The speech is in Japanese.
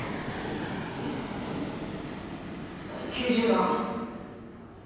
９０番。